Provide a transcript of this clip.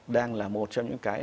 đang là một trong những cái